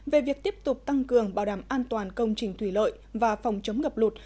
về việc tiếp tục tăng cường bảo đảm an toàn công trình thủy lợi và phòng chống ngập lụt